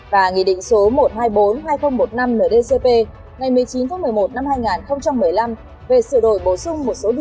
và nghị định số một trăm hai mươi bốn hai nghìn một mươi năm ndcp ngày một mươi chín một mươi một hai nghìn một mươi năm về sự đổi bổ sung